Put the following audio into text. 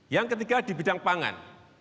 yang ketiga di bidang pangan